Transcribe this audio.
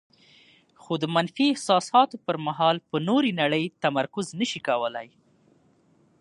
خو د منفي احساساتو پر مهال په نورې نړۍ تمرکز نشي کولای.